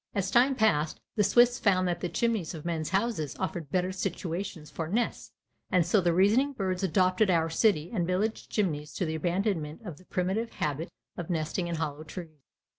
As time passed the swifts found that the chimneys of men's houses offered better situations for nests, and so the reasoning birds adopted our city and village chimneys to the abandonment of the primitive habit of nesting in hollow trees.